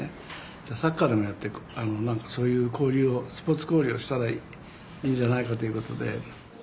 じゃあサッカーでもやってそういう交流をスポーツ交流をしたらいいんじゃないかということで。